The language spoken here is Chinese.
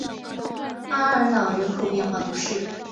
阿尔朗人口变化图示